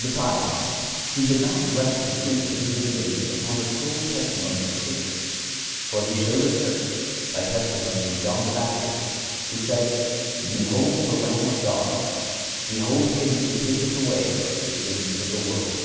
Besides, He did not rest the proof of His Divinity upon the sole testimony of Scripture. For He showed it First—By the testimony of John the Baptist (v. 33), who had said, "Behold the Lamb of God; behold Him who taketh away the sins of the world."